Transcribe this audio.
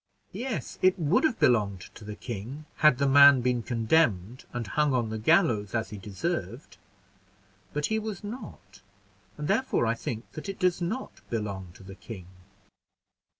"Yes, it would have belonged to the king, had the man been condemned, and hung on the gallows as he deserved; but he was not, and therefore I think that it does not belong to the king."